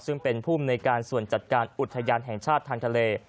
ซึ่งเป็นภูมิในการส่วนจัดการอุทยานแห่งชาติทางทะเล